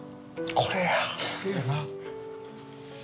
これやな。